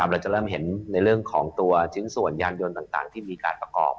เราจะเริ่มเห็นในเรื่องของตัวชิ้นส่วนยานยนต์ต่างที่มีการประกอบ